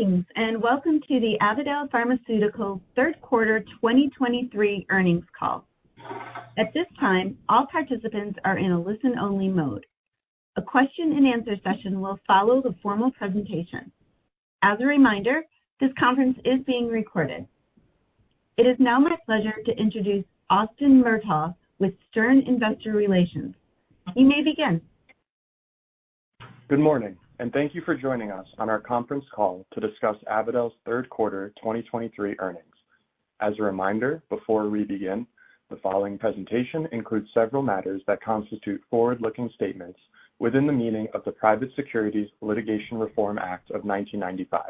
Greetings, and welcome to the Avadel Pharmaceuticals Third Quarter 2023 Earnings Call. At this time, all participants are in a listen-only mode. A question and answer session will follow the formal presentation. As a reminder, this conference is being recorded. It is now my pleasure to introduce Austin Murtagh with Stern Investor Relations. You may begin. Good morning, and thank you for joining us on our conference call to discuss Avadel's third quarter 2023 earnings. As a reminder, before we begin, the following presentation includes several matters that constitute forward-looking statements within the meaning of the Private Securities Litigation Reform Act of 1995.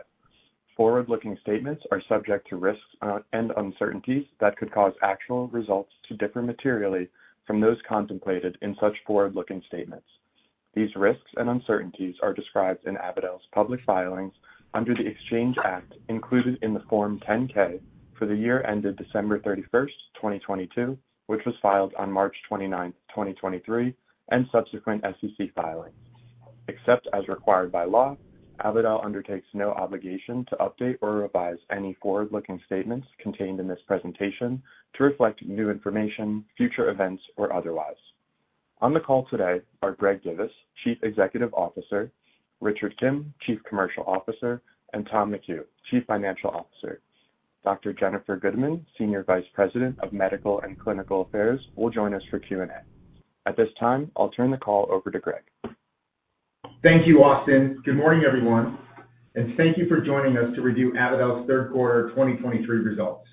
Forward-looking statements are subject to risks, and uncertainties that could cause actual results to differ materially from those contemplated in such forward-looking statements. These risks and uncertainties are described in Avadel's public filings under the Exchange Act, included in the Form 10-K for the year ended December 31, 2022, which was filed on March 29, 2023, and subsequent SEC filings. Except as required by law, Avadel undertakes no obligation to update or revise any forward-looking statements contained in this presentation to reflect new information, future events, or otherwise. On the call today are Greg Divis, Chief Executive Officer, Richard Kim, Chief Commercial Officer, and Tom McHugh, Chief Financial Officer, Dr. Jennifer Gudeman, Senior Vice President of Medical and Clinical Affairs, will join us for Q&A. At this time, I'll turn the call over to Greg. Thank you, Austin. Good morning, everyone, and thank you for joining us to review Avadel's third quarter 2023 results.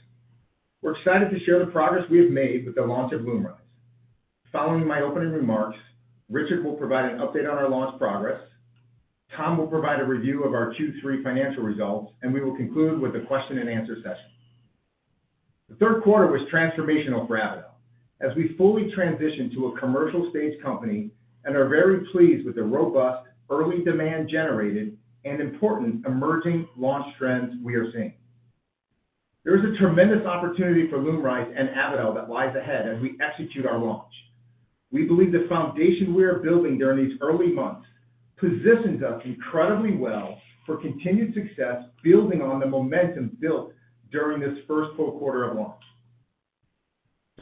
We're excited to share the progress we have made with the launch of LUMRYZ. Following my opening remarks, Richard will provide an update on our launch progress. Tom will provide a review of our Q3 financial results, and we will conclude with a question and answer session. The third quarter was transformational for Avadel as we fully transitioned to a commercial-stage company and are very pleased with the robust early demand generated and important emerging launch trends we are seeing. There is a tremendous opportunity for LUMRYZ and Avadel that lies ahead as we execute our launch. We believe the foundation we are building during these early months positions us incredibly well for continued success, building on the momentum built during this first full quarter of launch.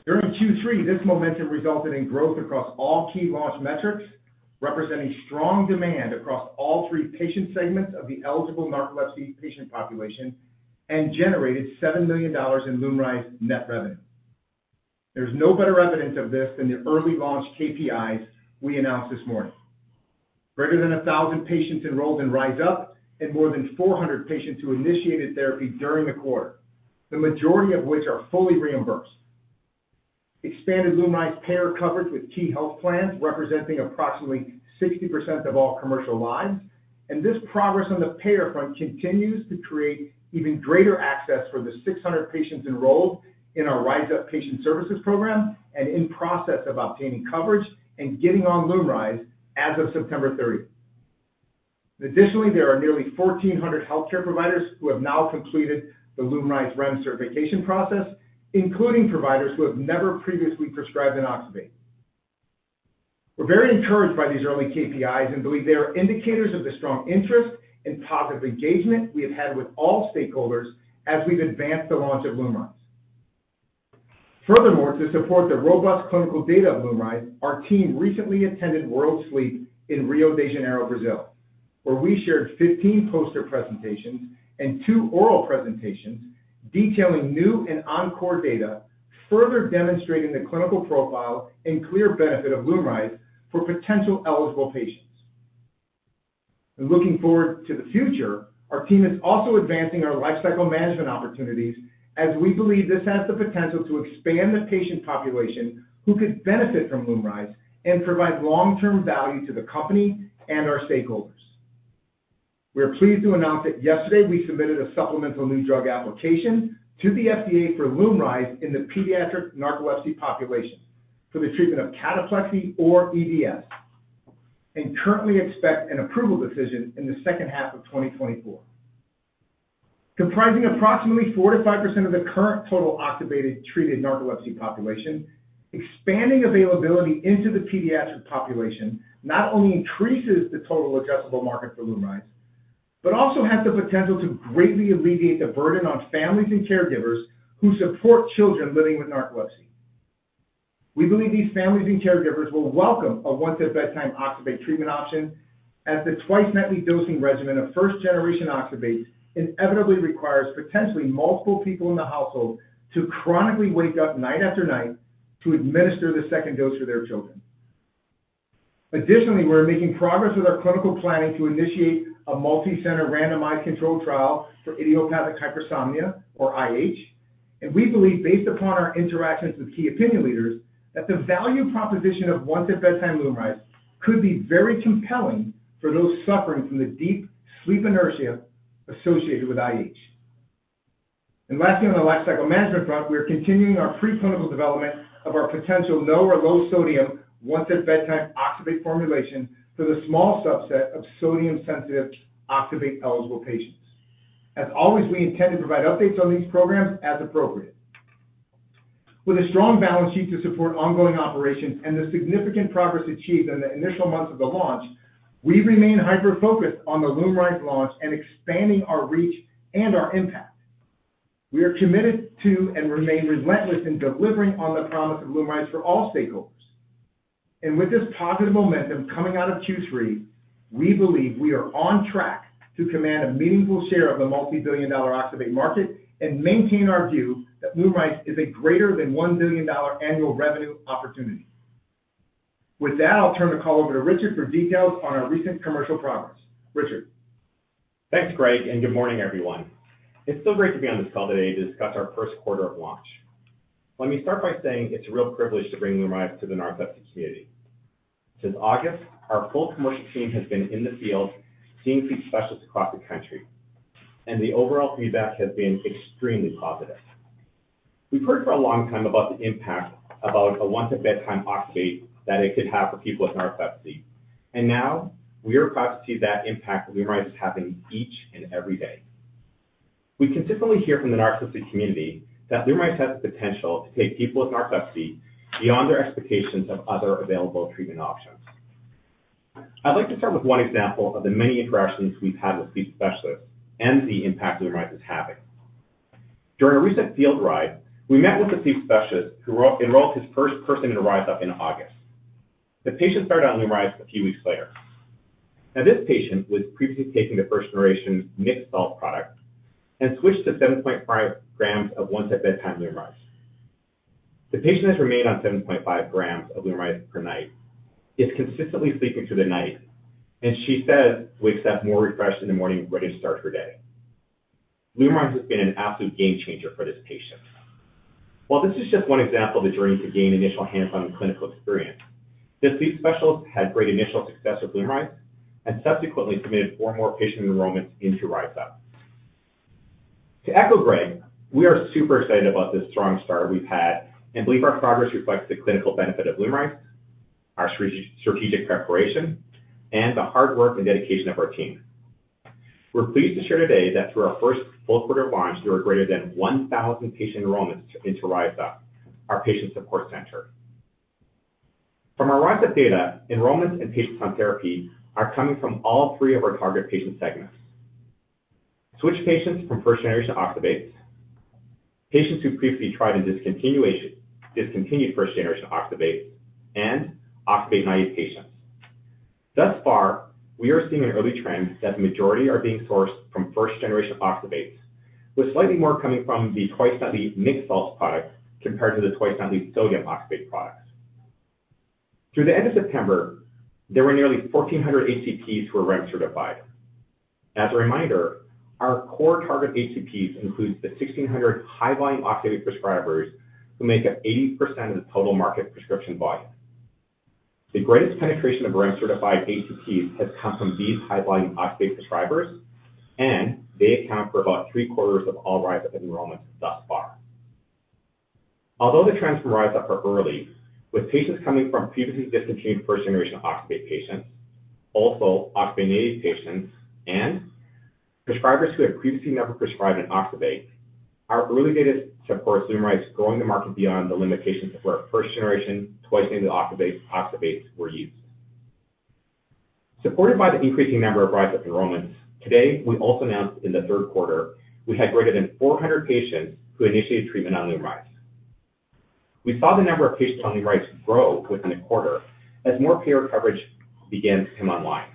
During Q3, this momentum resulted in growth across all key launch metrics, representing strong demand across all three patient segments of the eligible narcolepsy patient population and generated $7 million in LUMRYZ net revenue. There's no better evidence of this than the early launch KPIs we announced this morning. Greater than 1,000 patients enrolled in RYZUP and more than 400 patients who initiated therapy during the quarter, the majority of which are fully reimbursed. Expanded LUMRYZ payer coverage with key health plans, representing approximately 60% of all commercial lives. This progress on the payer front continues to create even greater access for the 600 patients enrolled in our RYZUP patient services program and in process of obtaining coverage and getting on LUMRYZ as of September 30th. Additionally, there are nearly 1,400 healthcare providers who have now completed the LUMRYZ REMS certification process, including providers who have never previously prescribed an oxybate. We're very encouraged by these early KPIs and believe they are indicators of the strong interest and positive engagement we have had with all stakeholders as we've advanced the launch of LUMRYZ. Furthermore, to support the robust clinical data of LUMRYZ, our team recently attended World Sleep in Rio de Janeiro, Brazil, where we shared 15 poster presentations and two oral presentations detailing new and encore data, further demonstrating the clinical profile and clear benefit of LUMRYZ for potential eligible patients. Looking forward to the future, our team is also advancing our lifecycle management opportunities, as we believe this has the potential to expand the patient population who could benefit from LUMRYZ and provide long-term value to the company and our stakeholders. We are pleased to announce that yesterday we submitted a supplemental new drug application to the FDA for LUMRYZ in the pediatric narcolepsy population for the treatment of cataplexy or EDS, and currently expect an approval decision in the second half of 2024. Comprising approximately 4%-5% of the current total oxybate-treated narcolepsy population, expanding availability into the pediatric population not only increases the total addressable market for LUMRYZ, but also has the potential to greatly alleviate the burden on families and caregivers who support children living with narcolepsy. We believe these families and caregivers will welcome a once-at-bedtime oxybate treatment option, as the twice-nightly dosing regimen of first-generation oxybate inevitably requires potentially multiple people in the household to chronically wake up night after night to administer the second dose for their children. Additionally, we're making progress with our clinical planning to initiate a multi-center randomized controlled trial for Idiopathic Hypersomnia or IH. We believe, based upon our interactions with key opinion leaders, that the value proposition of once-at-bedtime LUMRYZ could be very compelling for those suffering from the deep sleep inertia associated with IH. Lastly, on the lifecycle management front, we are continuing our preclinical development of our potential no or low sodium once-at-bedtime oxybate formulation for the small subset of sodium-sensitive oxybate-eligible patients. As always, we intend to provide updates on these programs as appropriate. With a strong balance sheet to support ongoing operations and the significant progress achieved in the initial months of the launch, we remain hyper-focused on the LUMRYZ launch and expanding our reach and our impact. We are committed to and remain relentless in delivering on the promise of LUMRYZ for all stakeholders. And with this positive momentum coming out of Q3, we believe we are on track to command a meaningful share of the multi-billion dollar oxybate market and maintain our view that LUMRYZ is a greater than $1 billion annual revenue opportunity. With that, I'll turn the call over to Richard for details on our recent commercial progress. Richard? Thanks, Greg, and good morning, everyone. It's so great to be on this call today to discuss our first quarter of launch. Let me start by saying it's a real privilege to bring LUMRYZ to the narcolepsy community. Since August, our full commercial team has been in the field seeing sleep specialists across the country, and the overall feedback has been extremely positive. We've heard for a long time about the impact of a once-at-bedtime oxybate that it could have for people with narcolepsy, and now we are proud to see that impact that LUMRYZ is having each and every day. We consistently hear from the narcolepsy community that LUMRYZ has the potential to take people with narcolepsy beyond their expectations of other available treatment options. I'd like to start with one example of the many interactions we've had with sleep specialists and the impact LUMRYZ is having. During a recent field ride, we met with a sleep specialist who enrolled his first person in RYZUP in August. The patient started on LUMRYZ a few weeks later. Now, this patient was previously taking the first-generation mixed salt product and switched to 7.5 g of once-at-bedtime LUMRYZ. The patient has remained on 7.5 g of LUMRYZ per night, is consistently sleeping through the night, and she says, wakes up more refreshed in the morning, ready to start her day. LUMRYZ has been an absolute game changer for this patient. While this is just one example of the journey to gain initial hands-on clinical experience, this sleep specialist had great initial success with LUMRYZ and subsequently submitted four more patient enrollments into RYZUP. To echo Greg, we are super excited about this strong start we've had and believe our progress reflects the clinical benefit of LUMRYZ, our strategic preparation, and the hard work and dedication of our team. We're pleased to share today that through our first full quarter launch, there were greater than 1,000 patient enrollments into RYZUP, our patient support center. From our RYZUP data, enrollments and patients on therapy are coming from all three of our target patient segments: switch patients from first generation oxybate, patients who previously tried and discontinued first generation oxybate, and oxybate-naive patients. Thus far, we are seeing an early trend that the majority are being sourced from first generation oxybates, with slightly more coming from the twice-nightly mixed salts product compared to the twice-nightly sodium oxybate products. Through the end of September, there were nearly 1,400 HCPs who were RYZUP certified. As a reminder, our core target HCPs includes the 1,600 high-volume oxybate prescribers, who make up 80% of the total market prescription volume. The greatest penetration of RYZUP certified HCPs has come from these high-volume oxybate prescribers, and they account for about three-quarters of all RYZUP enrollments thus far. Although the trends from RYZUP are early, with patients coming from previously discontinued first-generation oxybate patients, also oxybate-naive patients and prescribers who have previously never prescribed an oxybate, our early data supports LUMRYZ going to market beyond the limitations of where first generation twice-daily oxybates, oxybates were used. Supported by the increasing number of RYZUP enrollments, today, we also announced in the third quarter we had greater than 400 patients who initiated treatment on LUMRYZ. We saw the number of patients on LUMRYZ grow within a quarter as more payer coverage began to come online.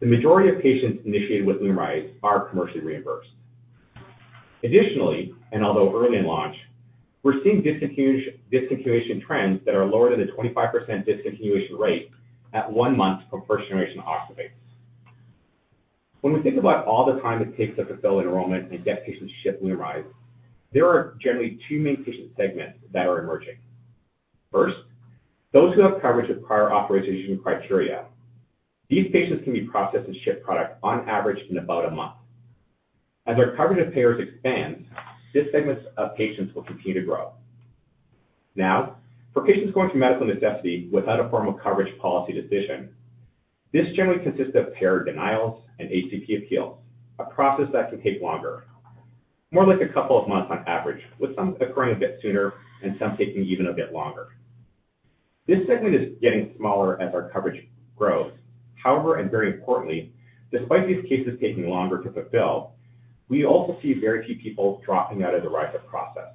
The majority of patients initiated with LUMRYZ are commercially reimbursed. Additionally, and although early in launch, we're seeing discontinuation trends that are lower than the 25% discontinuation rate at one month from first generation oxybates. When we think about all the time it takes to fulfill enrollment and get patients shipped LUMRYZ, there are generally two main patient segments that are emerging. First, those who have coverage with prior authorization criteria. These patients can be processed and shipped product on average in about a month. As our coverage of payers expands, this segment of patients will continue to grow. Now, for patients going through medical necessity without a formal coverage policy decision, this generally consists of payer denials and HCP appeals, a process that can take longer, more like a couple of months on average, with some occurring a bit sooner and some taking even a bit longer. This segment is getting smaller as our coverage grows. However, and very importantly, despite these cases taking longer to fulfill, we also see very few people dropping out of the RYZUP process.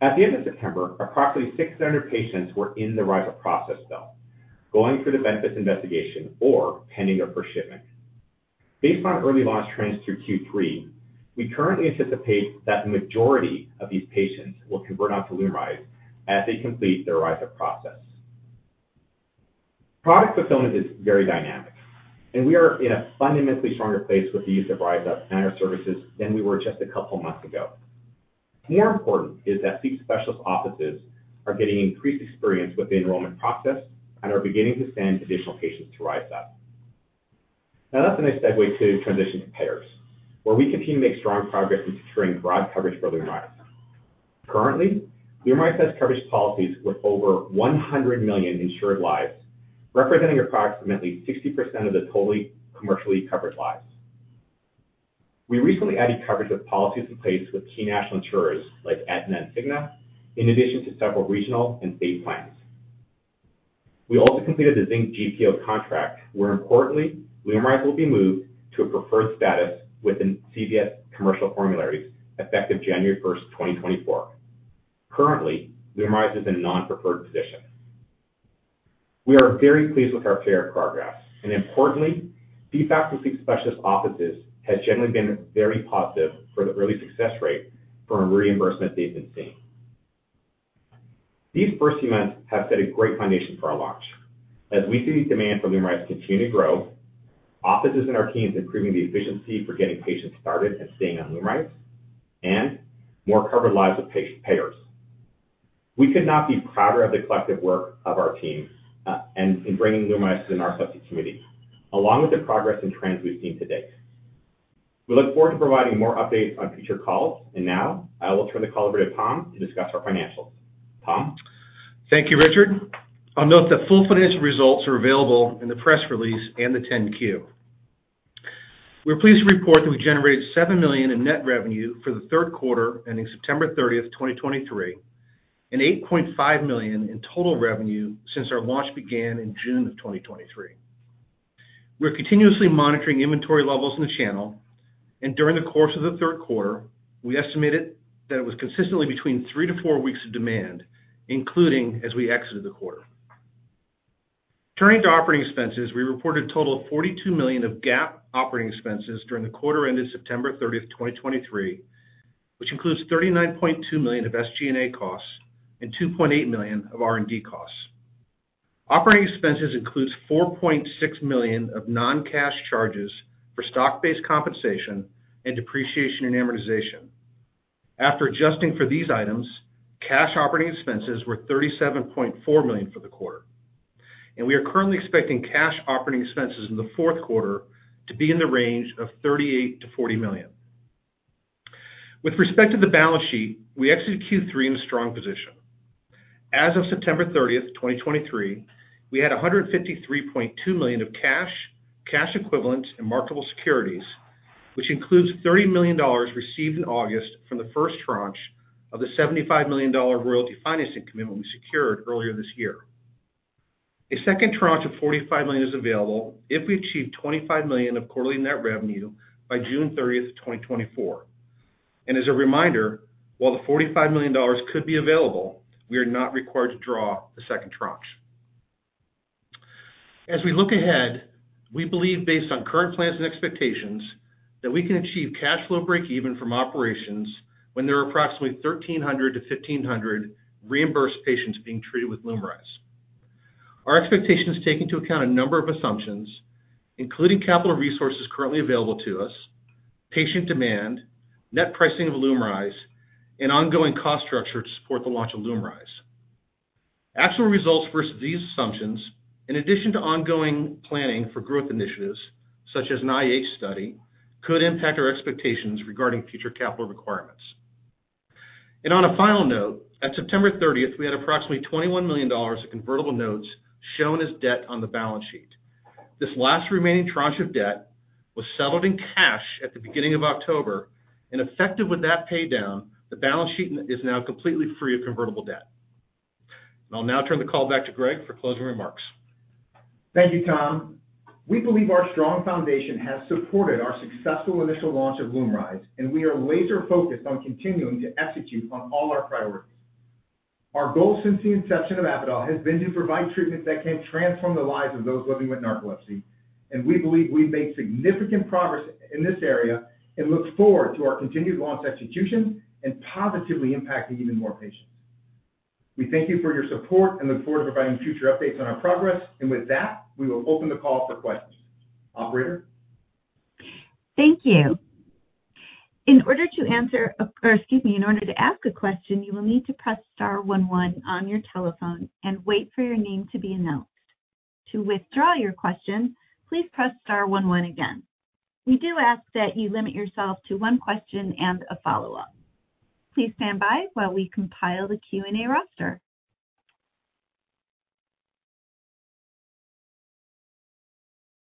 At the end of September, approximately 600 patients were in the RYZUP process, though, going through the benefits investigation or pending their first shipment. Based on early launch trends through Q3, we currently anticipate that the majority of these patients will convert onto LUMRYZ as they complete their RYZUP process. Product fulfillment is very dynamic, and we are in a fundamentally stronger place with the use of RYZUP and our services than we were just a couple of months ago. More important is that sleep specialist offices are getting increased experience with the enrollment process and are beginning to send additional patients to RYZUP. Now, that's a nice segue to transition to payers, where we continue to make strong progress in securing broad coverage for LUMRYZ. Currently, LUMRYZ has coverage policies with over 100 million insured lives, representing approximately 60% of the totally commercially covered lives. We recently added coverage with policies in place with key national insurers like Aetna and Cigna, in addition to several regional and state plans. We also completed the Zinc GPO contract, where importantly, LUMRYZ will be moved to a preferred status within CVS commercial formularies, effective January 1st 2024. Currently, LUMRYZ is in a non-preferred position. We are very pleased with our payer progress, and importantly, feedback from sleep specialist offices has generally been very positive for the early success rate from reimbursement they've been seeing. These first few months have set a great foundation for our launch. As we see demand for LUMRYZ continue to grow, our field offices and our teams improving the efficiency for getting patients started and staying on LUMRYZ, and more covered lives with private payers. We could not be prouder of the collective work of our teams, and in bringing LUMRYZ to the narcolepsy community, along with the progress and trends we've seen to date. We look forward to providing more updates on future calls. Now, I will turn the call over to Tom to discuss our financials. Tom? Thank you, Richard. I'll note that full financial results are available in the press release and the 10-Q. We're pleased to report that we generated $7 million in net revenue for the third quarter, ending September 30th, 2023, and $8.5 million in total revenue since our launch began in June 2023. We're continuously monitoring inventory levels in the channel, and during the course of the third quarter, we estimated that it was consistently between three to four weeks of demand, including as we exited the quarter. Turning to operating expenses, we reported a total of $42 million of GAAP operating expenses during the quarter ended September 30th, 2023, which includes $39.2 million of SG&A costs and $2.8 million of R&D costs. Operating expenses includes $4.6 million of non-cash charges for stock-based compensation and depreciation and amortization. After adjusting for these items, cash operating expenses were $37.4 million for the quarter. We are currently expecting cash operating expenses in the fourth quarter to be in the range of $38 million-$40 million. With respect to the balance sheet, we exited Q3 in a strong position. As of September 30th, 2023, we had $153.2 million of cash, cash equivalents, and marketable securities, which includes $30 million received in August from the first tranche of the $75 million royalty financing commitment we secured earlier this year. A second tranche of $45 million is available if we achieve $25 million of quarterly net revenue by June 30th, 2024. As a reminder, while the $45 million could be available, we are not required to draw the second tranche. As we look ahead, we believe based on current plans and expectations, that we can achieve cash flow breakeven from operations when there are approximately 1,300-1,500 reimbursed patients being treated with LUMRYZ. Our expectation is taking into account a number of assumptions, including capital resources currently available to us, patient demand, net pricing of LUMRYZ, and ongoing cost structure to support the launch of LUMRYZ. Actual results versus these assumptions, in addition to ongoing planning for growth initiatives, such as an IH study, could impact our expectations regarding future capital requirements. On a final note, at September 30th, we had approximately $21 million of convertible notes shown as debt on the balance sheet. This last remaining tranche of debt was settled in cash at the beginning of October, and effective with that paydown, the balance sheet is now completely free of convertible debt. I'll now turn the call back to Greg for closing remarks. Thank you, Tom. We believe our strong foundation has supported our successful initial launch of LUMRYZ, and we are laser focused on continuing to execute on all our priorities. Our goal since the inception of Avadel has been to provide treatment that can transform the lives of those living with narcolepsy, and we believe we've made significant progress in this area and look forward to our continued launch execution and positively impacting even more patients. We thank you for your support and look forward to providing future updates on our progress. With that, we will open the call for questions. Operator? Thank you. In order to answer, or excuse me, in order to ask a question, you will need to press star one one on your telephone and wait for your name to be announced. To withdraw your question, please press star one one again. We do ask that you limit yourself to one question and a follow-up. Please stand by while we compile the Q&A roster.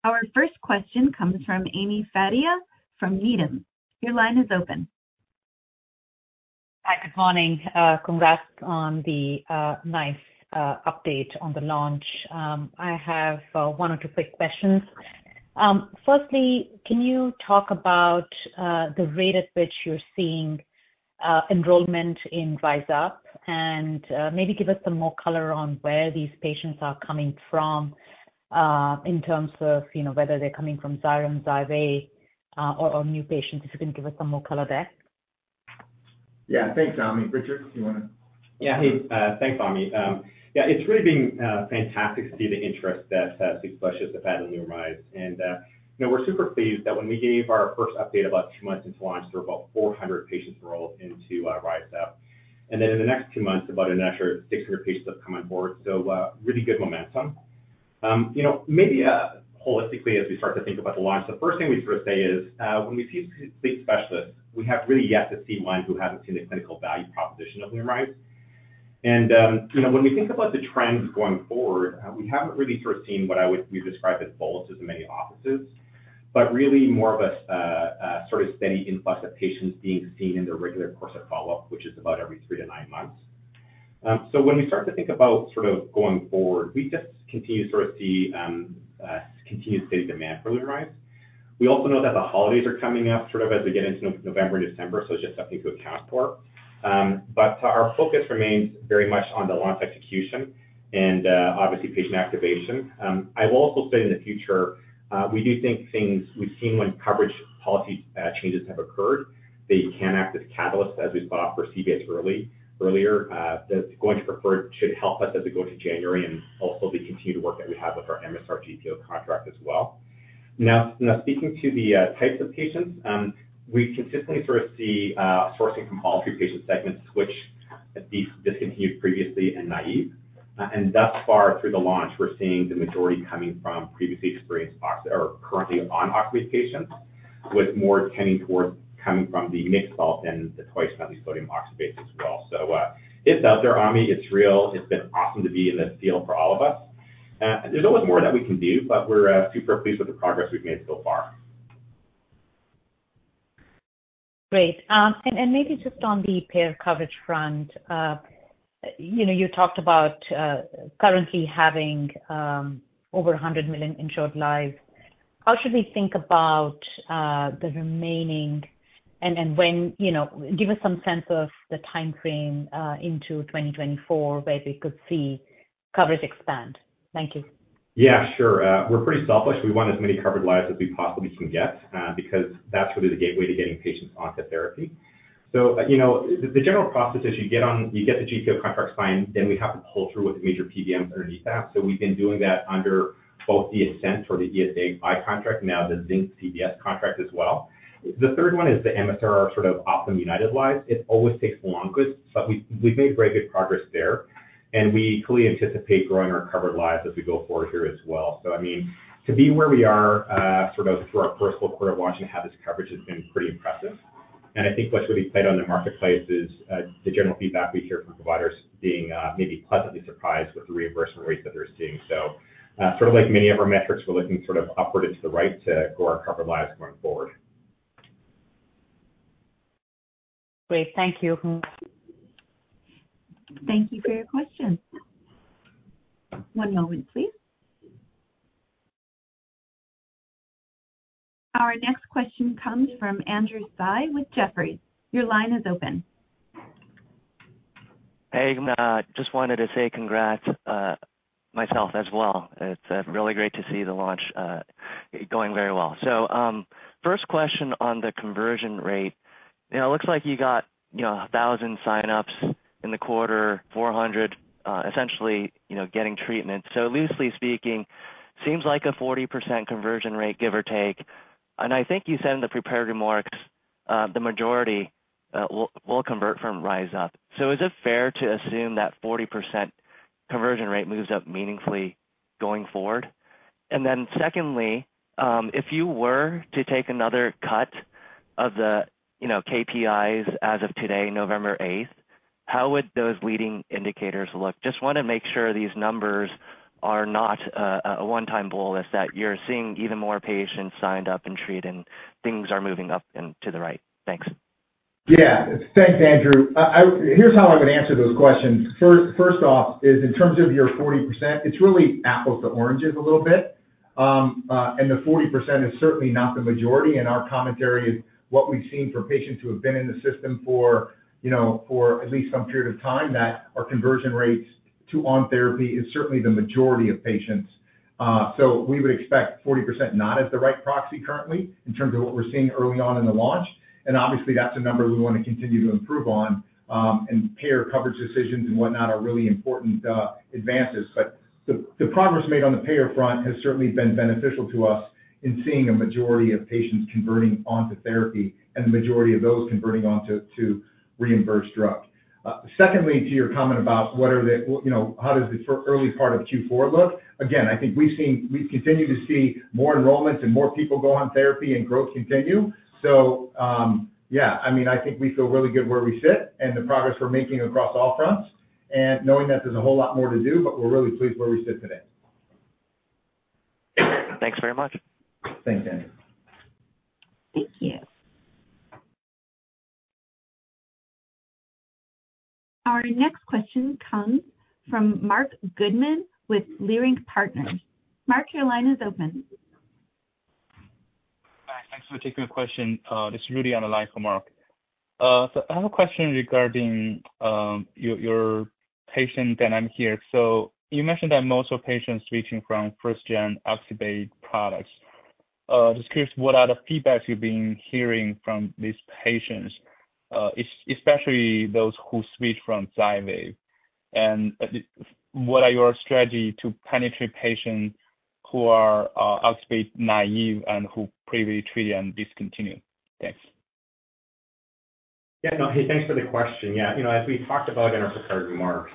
Our first question comes from Ami Fadia from Needham. Your line is open. Hi, good morning. Congrats on the nice update on the launch. I have one or two quick questions. Firstly, can you talk about the rate at which you're seeing enrollment in RYZUP? And maybe give us some more color on where these patients are coming from in terms of, you know, whether they're coming from Xyrem, Xywav, or new patients. If you can give us some more color there. Yeah. Thanks, Ami. Richard, do you want to? Yeah. Hey, thanks, Ami. Yeah, it's really been fantastic to see the interest that sleep specialists have had in LUMRYZ. And, you know, we're super pleased that when we gave our first update about two months into launch, there were about 400 patients enrolled into RYZUP. And then in the next two months, about an extra 600 patients have come on board. So, really good momentum. You know, maybe, holistically, as we start to think about the launch, the first thing we'd sort of say is, when we see sleep specialists, we have really yet to see one who hasn't seen the clinical value proposition of LUMRYZ.... And, you know, when we think about the trends going forward, we haven't really sort of seen what we describe as boluses in many offices, but really more of a sort of steady influx of patients being seen in their regular course of follow-up, which is about every three to 9 months. So when we start to think about sort of going forward, we just continue to sort of see continued steady demand for LUMRYZ. We also know that the holidays are coming up, sort of as we get into November, December, so it's just something to account for. But our focus remains very much on the launch execution and obviously, patient activation. I will also say in the future, we do think things we've seen when coverage policy changes have occurred, they can act as catalysts, as we saw for CVS early, earlier. That's going to preferred should help us as we go into January and also the continued work that we have with our Zinc GPO contract as well. Now, speaking to the types of patients, we consistently sort of see sourcing from all three patient segments, which discontinued previously and naive. And thus far, through the launch, we're seeing the majority coming from previously experienced oxybate or currently on oxybate patients, with more tending towards coming from the mixed-salt and the twice-nightly sodium oxybate as well. So, it's out there, Ami, it's real. It's been awesome to be in this field for all of us, and there's always more that we can do, but we're super pleased with the progress we've made so far. Great. And maybe just on the payer coverage front, you know, you talked about currently having over 100 million insured lives. How should we think about the remaining and then when, you know, give us some sense of the time frame into 2024, where we could see coverage expand. Thank you. Yeah, sure. We're pretty selfish. We want as many covered lives as we possibly can get, because that's really the gateway to getting patients onto therapy. So, you know, the general process is you get the GPO contracts signed, then we have to pull through with the major PBMs underneath that. So we've been doing that under both the Ascent or the ESI contract, now the Zinc CVS contract as well. The third one is the Emisar, sort of Optum United lives. It always takes the longest, but we've made very good progress there, and we fully anticipate growing our covered lives as we go forward here as well. So I mean, to be where we are, sort of through our first quarter launch and have this coverage has been pretty impressive. And I think what's really played on the marketplace is, the general feedback we hear from providers being, maybe pleasantly surprised with the reimbursement rates that they're seeing. So, sort of like many of our metrics, we're looking sort of upward and to the right to grow our covered lives going forward. Great. Thank you. Thank you for your question. One moment, please. Our next question comes from Andrew Tsai with Jefferies. Your line is open. Hey, just wanted to say congrats, myself as well. It's really great to see the launch going very well. So, first question on the conversion rate. You know, it looks like you got, you know, 1,000 sign-ups in the quarter, 400, essentially, you know, getting treatment. So loosely speaking, seems like a 40% conversion rate, give or take. And I think you said in the prepared remarks, the majority, will, will convert from RYZUP. So is it fair to assume that 40% conversion rate moves up meaningfully going forward? And then secondly, if you were to take another cut of the, you know, KPIs as of today, November 8, how would those leading indicators look? Just want to make sure these numbers are not a one-time bolus, that you're seeing even more patients signed up and treated, and things are moving up and to the right. Thanks. Yeah. Thanks, Andrew. Here's how I'm going to answer those questions. First off, is in terms of your 40%, it's really apples to oranges a little bit. And the 40% is certainly not the majority, and our commentary is what we've seen for patients who have been in the system for, you know, for at least some period of time, that our conversion rates to on therapy is certainly the majority of patients. So we would expect 40% not as the right proxy currently, in terms of what we're seeing early on in the launch. And obviously, that's a number we want to continue to improve on, and payer coverage decisions and whatnot are really important advances. But the progress made on the payer front has certainly been beneficial to us in seeing a majority of patients converting onto therapy and the majority of those converting on to reimbursed drug. Secondly, to your comment about, you know, how does the early part of Q4 look? Again, I think we've seen, we continue to see more enrollments and more people go on therapy and growth continue. So, yeah, I mean, I think we feel really good where we sit and the progress we're making across all fronts and knowing that there's a whole lot more to do, but we're really pleased where we sit today. Thanks very much. Thanks, Andrew. Thank you. Our next question comes from Marc Goodman with Leerink Partners. Marc, your line is open. Hi, thanks for taking the question. This is Rudy on the line for Marc. So I have a question regarding your patient dynamic here. So you mentioned that most of the patients switching from first gen oxybate products. Just curious, what are the feedbacks you've been hearing from these patients, especially those who switch from Xywav? And what are your strategy to penetrate patients who are oxybate naive and who previously treated and discontinued? Thanks. Yeah, no, hey, thanks for the question. Yeah, you know, as we talked about in our prepared remarks,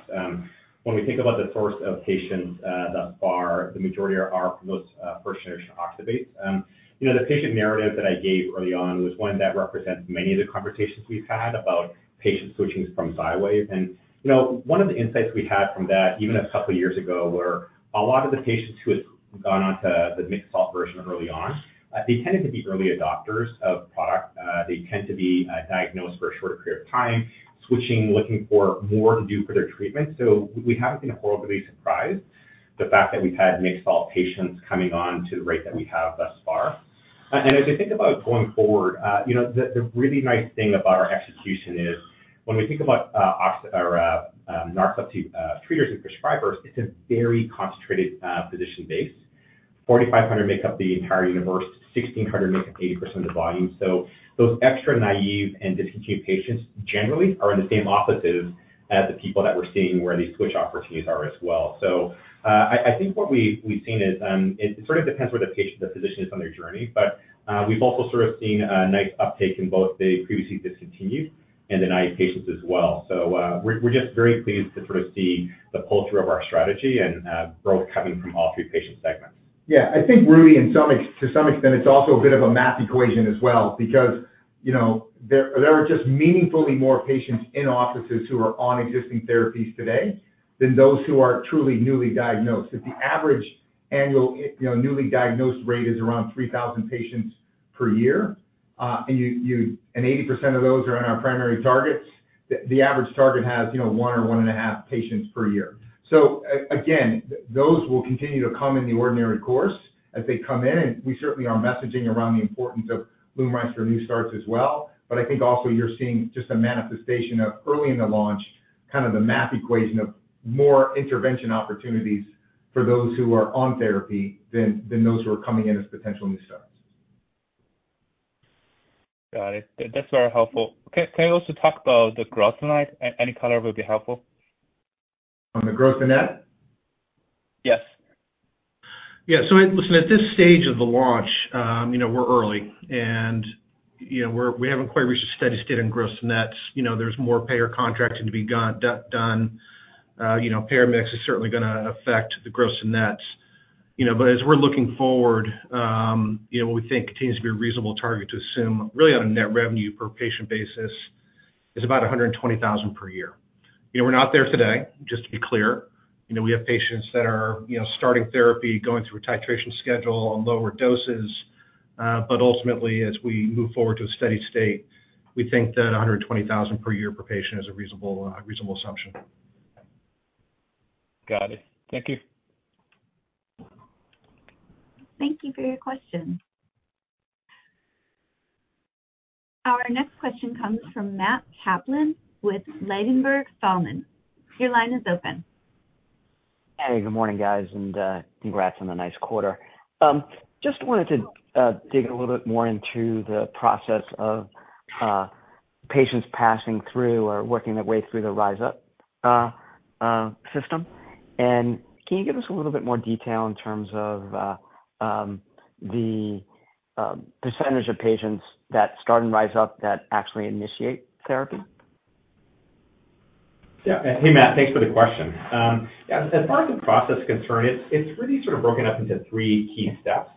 when we think about the source of patients, thus far, the majority are from those first-generation oxybates. You know, the patient narrative that I gave early on was one that represents many of the conversations we've had about patients switching from Xywav. You know, one of the insights we had from that, even a couple years ago, were a lot of the patients who had gone on to the mixed salt version early on, they tended to be early adopters of product. They tend to be diagnosed for a shorter period of time, switching, looking for more to do for their treatment. So we haven't been horribly surprised the fact that we've had mixed salt patients coming on to the rate that we have thus far. And as I think about going forward, you know, the really nice thing about our execution is when we think about narcolepsy treaters and prescribers, it's a very concentrated physician base. 4,500 make up the entire universe, 1,600 make up 80% of the volume. So those extra naive and discontinued patients generally are in the same offices as the people that we're seeing where these switch opportunities are as well. So, I think what we've seen is, it sort of depends where the patient, the physician is on their journey, but, we've also sort of seen a nice uptake in both the previously discontinued and the naive patients as well. So, we're just very pleased to sort of see the culture of our strategy and, growth coming from all three patient segments. Yeah, I think, Rudy, in some extent, it's also a bit of a math equation as well, because, you know, there are just meaningfully more patients in offices who are on existing therapies today than those who are truly newly diagnosed. If the average annual, you know, newly diagnosed rate is around 3,000 patients per year, and 80% of those are on our primary targets, the average target has, you know, 1 or 1.5 patients per year. So again, those will continue to come in the ordinary course as they come in, and we certainly are messaging around the importance of LUMRYZ for new starts as well. But I think also you're seeing just a manifestation of early in the launch, kind of the math equation of more intervention opportunities for those who are on therapy than those who are coming in as potential new starts. Got it. That's very helpful. Can you also talk about the gross and net? Any color would be helpful. On the gross and net? Yes. Yeah. So listen, at this stage of the launch, you know, we're early, and, you know, we're we haven't quite reached a steady state in gross nets. You know, there's more payer contracting to be done. You know, payer mix is certainly gonna affect the gross and nets. You know, but as we're looking forward, you know, what we think continues to be a reasonable target to assume, really on a net revenue per patient basis, is about $120,000 per year. You know, we're not there today, just to be clear. You know, we have patients that are, you know, starting therapy, going through a titration schedule on lower doses, but ultimately, as we move forward to a steady state, we think that $120,000 per year per patient is a reasonable assumption. Got it. Thank you. Thank you for your question. Our next question comes from Matt Kaplan with Ladenburg Thalmann. Your line is open. Hey, good morning, guys, and congrats on the nice quarter. Just wanted to dig a little bit more into the process of patients passing through or working their way through the RYZUP system. And can you give us a little bit more detail in terms of the percentage of patients that start in RYZUP that actually initiate therapy? Yeah. Hey, Matt, thanks for the question. As far as the process is concerned, it's really sort of broken up into three key steps.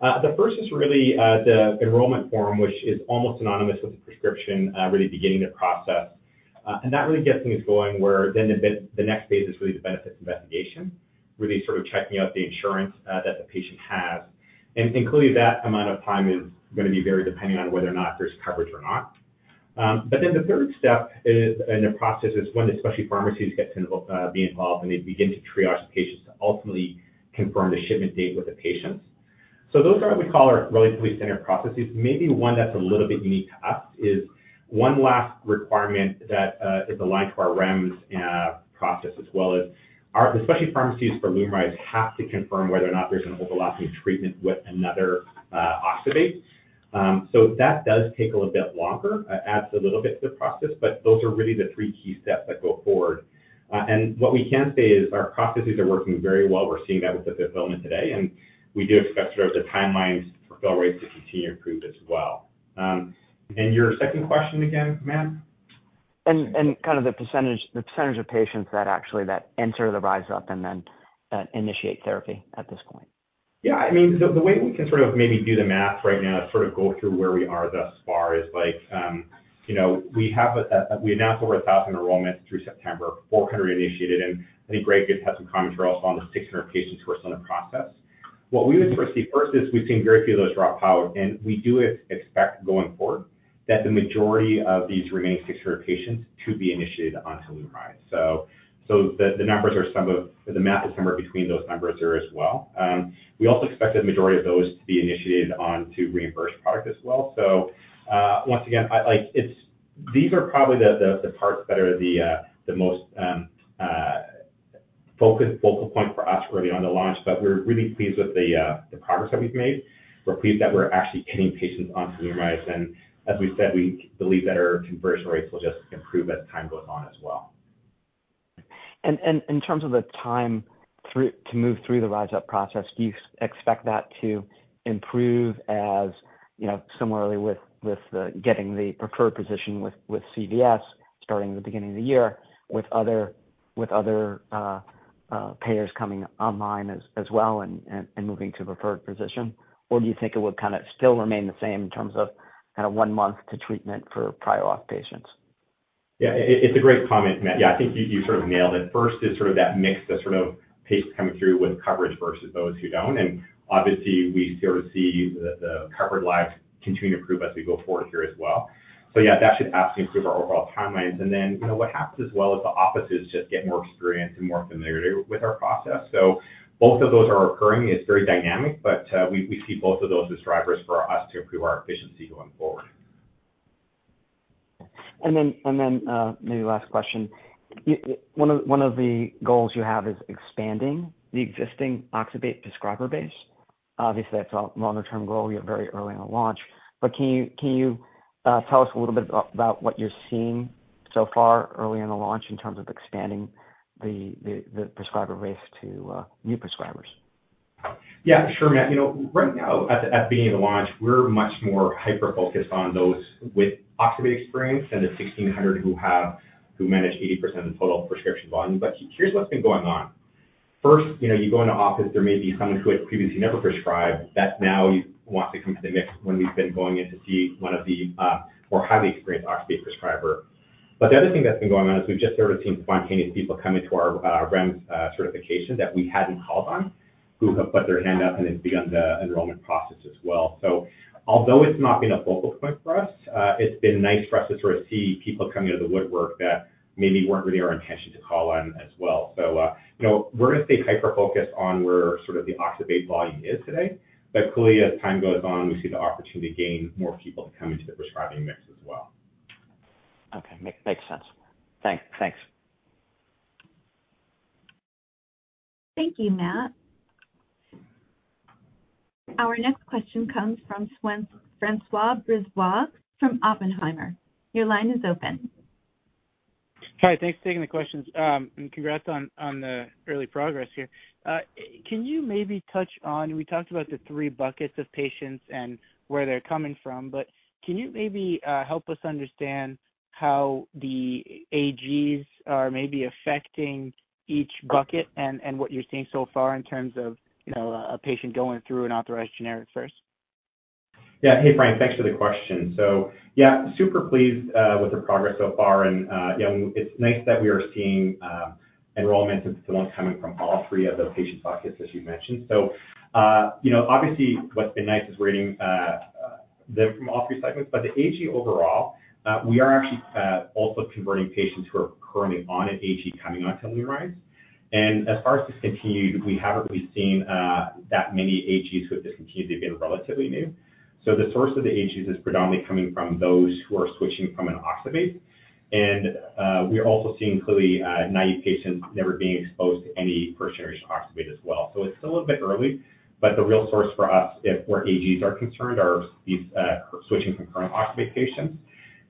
The first is really the enrollment form, which is almost synonymous with the prescription, really beginning the process. And that really gets things going, where then the next phase is really the benefits investigation, really sort of checking out the insurance that the patient has. And including that amount of time is gonna be varied depending on whether or not there's coverage or not. But then the third step in the process is when the specialty pharmacies get to be involved, and they begin to triage the patients to ultimately confirm the shipment date with the patients. So those are what we call our really three standard processes. Maybe one that's a little bit unique to us is one last requirement that is aligned to our REMS process, as well as our... The specialty pharmacies for LUMRYZ have to confirm whether or not there's an overlapping treatment with another oxybate. So that does take a little bit longer, adds a little bit to the process, but those are really the three key steps that go forward. And what we can say is our processes are working very well. We're seeing that with the fulfillment today, and we do expect the timelines for fill rates to continue to improve as well. And your second question again, Matt? And kind of the percentage of patients that actually enter the RYZUP and then initiate therapy at this point. Yeah, I mean, the way we can sort of maybe do the math right now to sort of go through where we are thus far is like, you know, we have a, we announced over 1,000 enrollments through September, 400 initiated, and I think Greg could have some comments for us on the 600 patients who are still in the process. What we would first see first is we've seen very few of those drop out, and we do expect going forward that the majority of these remaining 600 patients to be initiated onto LUMRYZ. So, the numbers are some of the math is somewhere between those numbers there as well. We also expect the majority of those to be initiated on to reimbursed product as well. So, once again, these are probably the parts that are the most focal point for us early on the launch, but we're really pleased with the progress that we've made. We're pleased that we're actually getting patients onto LUMRYZ, and as we said, we believe that our conversion rates will just improve as time goes on as well. And in terms of the time through to move through the RYZUP process, do you expect that to improve, as you know, similarly with getting the preferred position with CVS starting at the beginning of the year, with other payers coming online as well and moving to a preferred position? Or do you think it would kind of still remain the same in terms of kind of one month to treatment for prior auth patients? Yeah, it's a great comment, Matt. Yeah, I think you sort of nailed it. First is sort of that mix, the sort of patients coming through with coverage versus those who don't. And obviously, we sort of see the covered lives continue to improve as we go forward here as well. So yeah, that should absolutely improve our overall timelines. And then, you know, what happens as well is the offices just get more experienced and more familiar with our process. So both of those are occurring. It's very dynamic, but we see both of those as drivers for us to improve our efficiency going forward. And then, maybe last question. One of the goals you have is expanding the existing oxybate prescriber base. Obviously, that's a longer-term goal. You're very early on launch. But can you tell us a little bit about what you're seeing so far early on the launch in terms of expanding the prescriber base to new prescribers? Yeah, sure, Matt. You know, right now, at the beginning of the launch, we're much more hyper-focused on those with oxybate experience than the 1,600 who manage 80% of the total prescription volume. But here's what's been going on. First, you know, you go into office, there may be someone who had previously never prescribed, that now wants to come to the mix when we've been going in to see one of the more highly experienced oxybate prescriber. But the other thing that's been going on is we've just started seeing spontaneous people come into our REMS certification that we hadn't called on, who have put their hand up and then begun the enrollment process as well. So although it's not been a focal point for us, it's been nice for us to sort of see people coming out of the woodwork that maybe weren't really our intention to call on as well. So, you know, we're going to stay hyper-focused on where sort of the oxybate volume is today, but clearly, as time goes on, we see the opportunity to gain more people to come into the prescribing mix as well. Okay, makes sense. Thanks. Thanks. Thank you, Matt. Our next question comes from François Brisebois from Oppenheimer. Your line is open. Hi, thanks for taking the questions, and congrats on the early progress here. Can you maybe touch on, we talked about the three buckets of patients and where they're coming from, but can you maybe help us understand how the AGs are maybe affecting each bucket and what you're seeing so far in terms of, you know, a patient going through an authorized generic first? Yeah. Hey, Frank, thanks for the question. So yeah, super pleased with the progress so far, and, you know, it's nice that we are seeing enrollment and someone coming from all three of those patient buckets, as you mentioned. So, you know, obviously what's been nice is we're seeing them from all three segments, but the AG overall, we are actually also converting patients who are currently on an AG coming onto LUMRYZ. And as far as discontinued, we haven't really seen that many AGs who have discontinued; they've been relatively new. So the source of the AGs is predominantly coming from those who are switching from an oxybate. And, we are also seeing clearly naive patients never being exposed to any first-generation oxybate as well. It's still a bit early, but the real source for us, if where AGs are concerned, are these switching from current oxybate patients.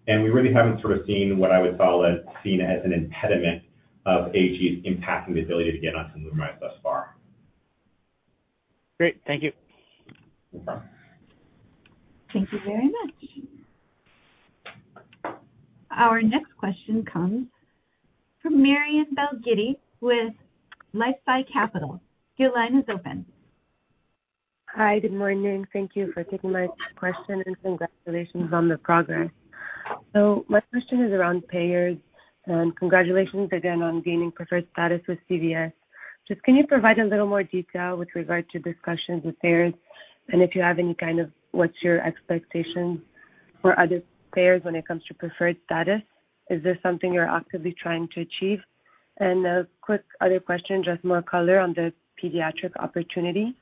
We really haven't sort of seen what I would call an impediment of AGs impacting the ability to get onto LUMRYZ thus far. Great. Thank you. No problem. Thank you very much. Our next question comes from Myriam Belghiti, with LifeSci Capital. Your line is open. Hi, good morning. Thank you for taking my question, and congratulations on the progress. So my question is around payers, and congratulations again on gaining preferred status with CVS. Just can you provide a little more detail with regard to discussions with payers? And if you have any kind of, what's your expectation for other payers when it comes to preferred status? Is this something you're actively trying to achieve? And a quick other question, just more color on the pediatric opportunity.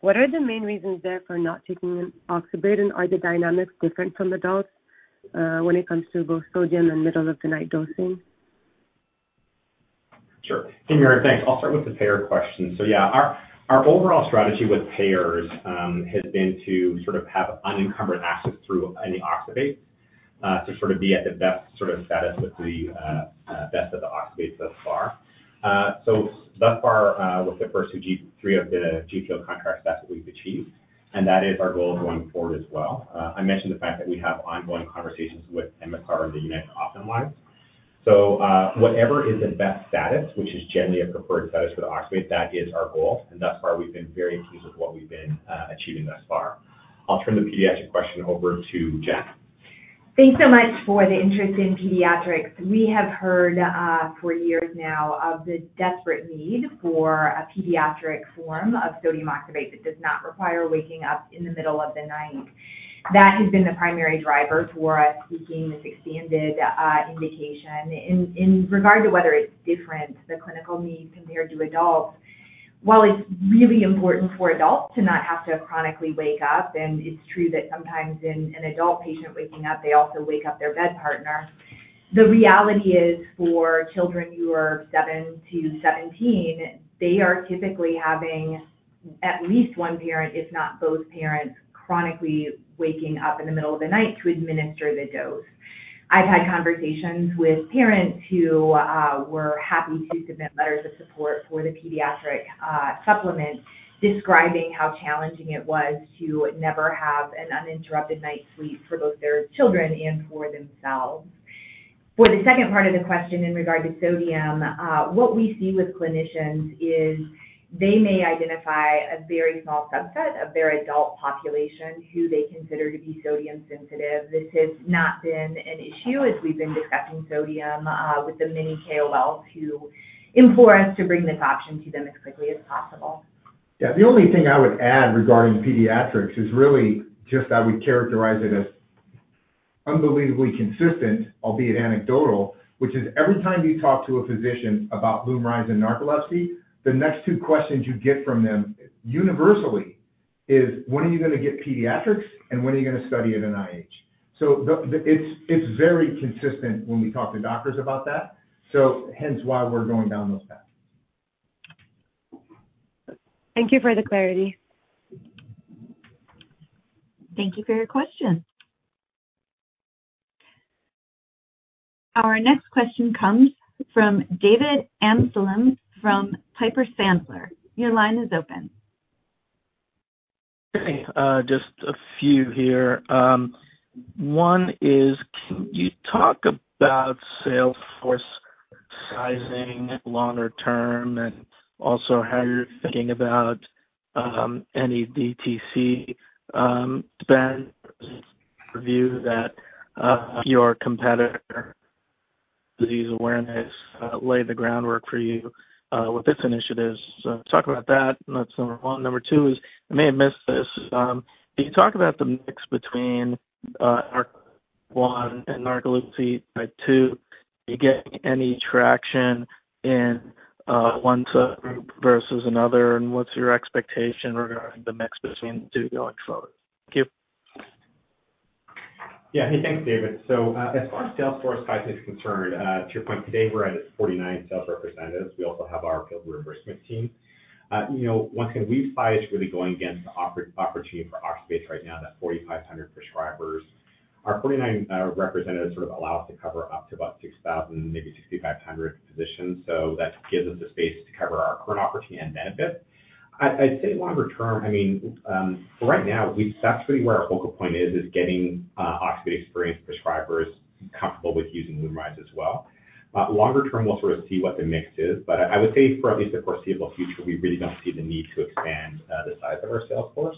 What are the main reasons there for not taking oxybate, and are the dynamics different from adults, when it comes to both sodium and middle of the night dosing? Sure. Hey, Myriam thanks. I'll start with the payer question. So yeah, our overall strategy with payers has been to sort of have unencumbered access through any oxybate to sort of be at the best sort of status with the best of the oxybates thus far. So thus far, with the first two or three of the GPO contracts, that's what we've achieved, and that is our goal going forward as well. I mentioned the fact that we have ongoing conversations with MCR and the United Optum. So whatever is the best status, which is generally a preferred status for the oxybate, that is our goal, and thus far we've been very pleased with what we've been achieving thus far. I'll turn the pediatric question over to Jen. Thanks so much for the interest in pediatrics. We have heard for years now of the desperate need for a pediatric form of sodium oxybate that does not require waking up in the middle of the night. That has been the primary driver for us seeking this expanded indication. In regard to whether it's different, the clinical needs compared to adults, while it's really important for adults to not have to chronically wake up, and it's true that sometimes in an adult patient waking up, they also wake up their bed partner, the reality is, for children who are seven to 17, they are typically having at least one parent, if not both parents, chronically waking up in the middle of the night to administer the dose. I've had conversations with parents who were happy to submit letters of support for the pediatric supplement, describing how challenging it was to never have an uninterrupted night's sleep for both their children and for themselves. For the second part of the question in regard to sodium, what we see with clinicians is they may identify a very small subset of their adult population who they consider to be sodium sensitive. This has not been an issue as we've been discussing sodium with the many KOLs who implore us to bring this option to them as quickly as possible. Yeah. The only thing I would add regarding pediatrics is really just I would characterize it as unbelievably consistent, albeit anecdotal, which is every time you talk to a physician about LUMRYZ narcolepsy, the next two questions you get from them universally is, "When are you going to get pediatrics, and when are you going to study it in IH?" So it's very consistent when we talk to doctors about that. So hence why we're going down those paths. Thank you for the clarity. Thank you for your question. Our next question comes from David Amsellem, from Piper Sandler. Your line is open. Hey, just a few here. One is, can you talk about sales force sizing longer term, and also how you're thinking about any DTC spend review that your competitor disease awareness laid the groundwork for you with this initiative? So talk about that. That's number one. Number two is, I may have missed this. Can you talk about the mix between Narcolepsy Type 1 and Narcolepsy Type 2? You getting any traction in one subgroup versus another, and what's your expectation regarding the mix between the two going forward? Thank you. Yeah. Hey, thanks, David. So, as far as sales force size is concerned, to your point, today, we're at 49 sales representatives. We also have our field reimbursement team. You know, one, can we size really going against the opportunity for our space right now, that 4,500 prescribers. Our 49 representatives sort of allow us to cover up to about 6,000, maybe 6,500 physicians. So that gives us the space to cover our current opportunity and benefit. I'd say longer term, I mean, right now, we... That's really where our focal point is, is getting oxybate experience prescribers comfortable with using LUMRYZ as well. Longer term, we'll sort of see what the mix is, but I would say for at least the foreseeable future, we really don't see the need to expand the size of our sales force.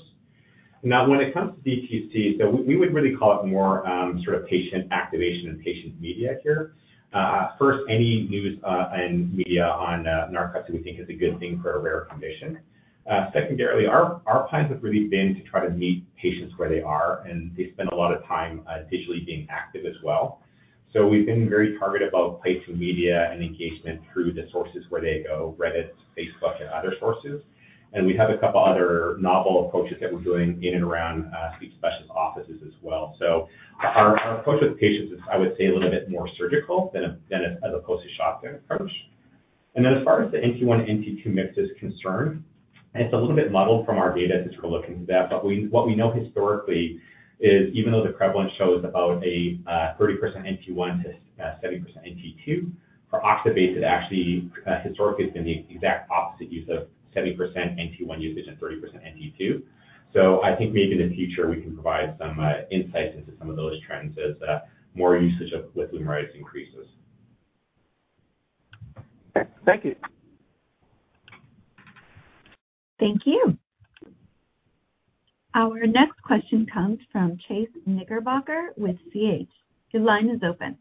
Now, when it comes to DTC, so we would really call it more sort of patient activation and patient media here. First, any news and media on narcolepsy, we think, is a good thing for a rare condition. Secondarily, our plans have really been to try to meet patients where they are, and they spend a lot of time digitally being active as well. So we've been very targeted about paid media and engagement through the sources where they go, Reddit, Facebook, and other sources. And we have a couple of other novel approaches that we're doing in and around sleep specialist offices as well. So our approach with patients is, I would say, a little bit more surgical than a, than as opposed to shotgun approach. And then as far as the NT1, NT2 mix is concerned, it's a little bit muddled from our data as we're looking into that. But what we know historically is even though the prevalence shows about a 30% NT1 to 70% NT2, for oxybate, it actually historically has been the exact opposite, use of 70% NT1 usage and 30% NT2. So I think maybe in the future, we can provide some insight into some of those trends as more usage with LUMRYZ increases. Okay. Thank you. Thank you. Our next question comes from Chase Knickerbocker with CH. Your line is open.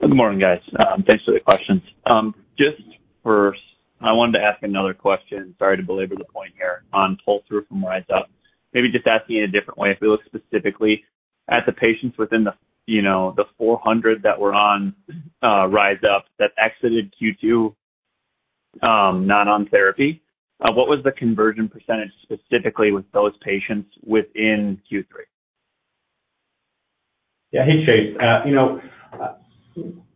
Good morning, guys. Thanks for the questions. Just first, I wanted to ask another question, sorry to belabor the point here, on pull-through from RYZUP. Maybe just asking in a different way, if we look specifically at the patients within the, you know, the 400 that were on RYZUP, that exited Q2, not on therapy, what was the conversion percentage, specifically with those patients within Q3? Yeah. Hey, Chase. You know,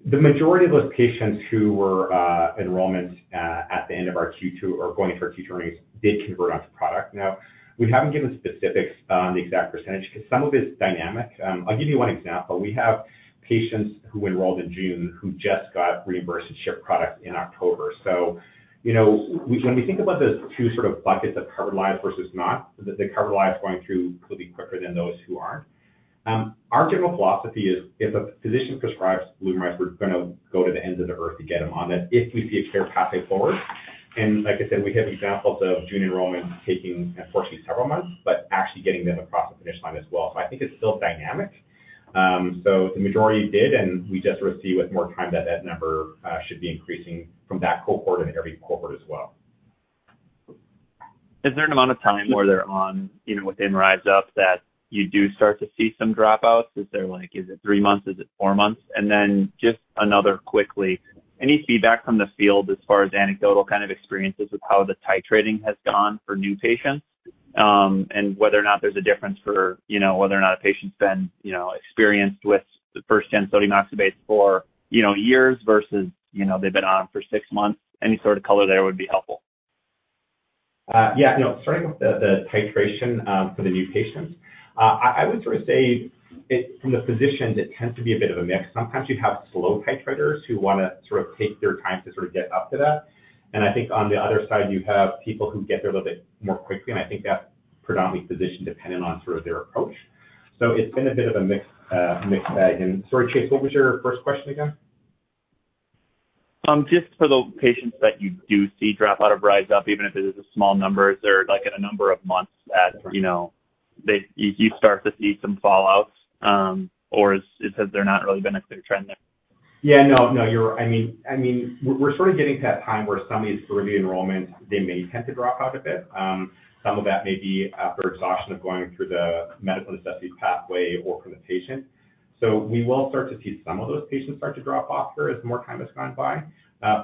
the majority of those patients who were enrollments at the end of our Q2 or going for Q3 did convert onto product. Now, we haven't given specifics on the exact percentage because some of it's dynamic. I'll give you one example. We have patients who enrolled in June who just got reimbursed and shipped product in October. So you know, when we think about the two sort of buckets of covered lives versus not, the covered lives going through will be quicker than those who aren't. Our general philosophy is if a physician prescribes LUMRYZ, we're gonna go to the ends of the earth to get them on it, if we see a clear pathway forward. Like I said, we have examples of June enrollments taking, unfortunately, several months, but actually getting them across the finish line as well. I think it's still dynamic. The majority did, and we just sort of see with more time that that number should be increasing from that cohort and every cohort as well. Is there an amount of time where they're on, you know, within RYZUP that you do start to see some dropouts? Is there like, is it three months, is it four months? And then just another quickly, any feedback from the field as far as anecdotal kind of experiences with how the titrating has gone for new patients?... and whether or not there's a difference for, you know, whether or not a patient's been, you know, experienced with the first-gen sodium oxybate for, you know, years versus, you know, they've been on for six months. Any sort of color there would be helpful. Yeah, you know, starting with the titration for the new patients, I would sort of say it, from the physicians, it tends to be a bit of a mix. Sometimes you have slow titrators who wanna sort of take their time to sort of get up to that. And I think on the other side, you have people who get there a little bit more quickly, and I think that's predominantly physician-dependent on sort of their approach. So it's been a bit of a mix, mixed bag. And sorry, Chase, what was your first question again? Just for the patients that you do see drop out of RYZUP, even if it is a small number, is there, like, a number of months that, you know, that you start to see some fallouts, or is, has there not really been a clear trend there? Yeah, no, no, you're I mean, I mean, we're sort of getting to that time where some of these early enrollments, they may tend to drop off a bit. Some of that may be after exhaustion of going through the medical necessity pathway or from the patient. So we will start to see some of those patients start to drop off here as more time has gone by.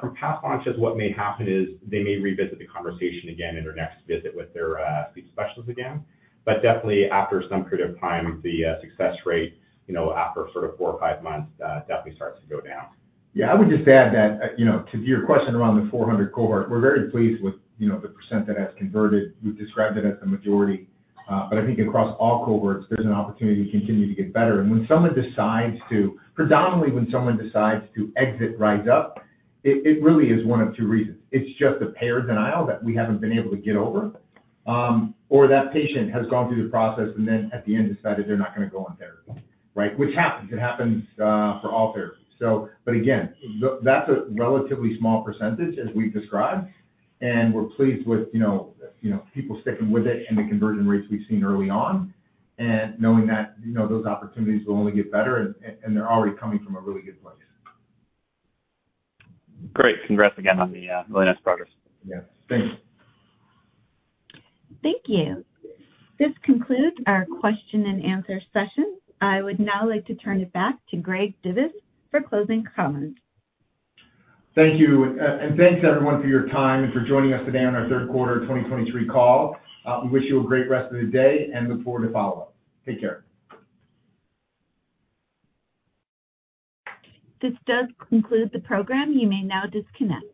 From past launches, what may happen is they may revisit the conversation again in their next visit with their sleep specialist again. But definitely after some period of time, the success rate, you know, after sort of four or five months, definitely starts to go down. Yeah, I would just add that, you know, to your question around the 400 cohort, we're very pleased with, you know, the percent that has converted. We've described it as the majority. But I think across all cohorts, there's an opportunity to continue to get better. And when someone decides to--predominantly when someone decides to exit RYZUP, it, it really is one of two reasons. It's just a payer denial that we haven't been able to get over, or that patient has gone through the process and then at the end decided they're not gonna go on therapy, right? Which happens, it happens, for all therapies. So, but again, that's a relatively small percentage, as we've described, and we're pleased with, you know, you know, people sticking with it and the conversion rates we've seen early on, and knowing that, you know, those opportunities will only get better, and they're already coming from a really good place. Great. Congrats again on the latest progress. Yeah. Thanks. Thank you. This concludes our question and answer session. I would now like to turn it back to Greg Divis for closing comments. Thank you. Thanks, everyone, for your time and for joining us today on our third quarter of 2023 call. We wish you a great rest of the day and look forward to follow-up. Take care. This does conclude the program. You may now disconnect.